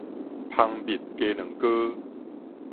蜂蜜雞卵糕